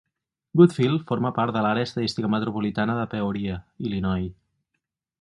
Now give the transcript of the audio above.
Goodfield forma part de l'Àrea estadística metropolitana de Peoria, Illinois.